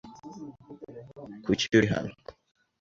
Kuki uri hano?